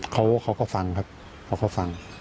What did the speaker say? เขาก็ฟังครับเขาก็ฟัง